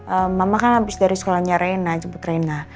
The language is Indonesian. ehm mama kan abis dari sekolahnya rena jemput rena